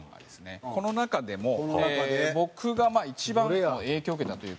この中でも僕が一番影響を受けたというか。